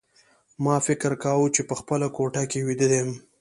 ما فکر کاوه چې په خپله کوټه کې ویده یم